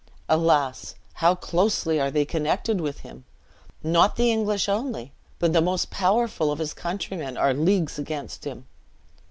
Alas, how closely are they connected with him! Not the English only, but the most powerful of his countrymen are leagues against him.